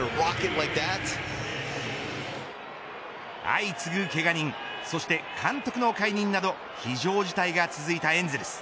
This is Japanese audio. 相次ぐけが人そして監督の解任など非常事態が続いたエンゼルス